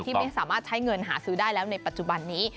ไม่สามารถใช้เงินหาซื้อได้แล้วในปัจจุบันนี้